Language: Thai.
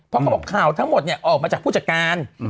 เพราะเขาบอกข่าวทั้งหมดออกมาจากผู้จักรจันทร์